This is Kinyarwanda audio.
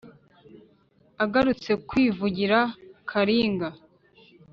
agarutse kwivugira karinga